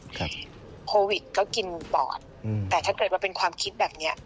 โควิดก็กินปอดอืมแต่ถ้าเกิดว่าเป็นความคิดแบบเนี้ย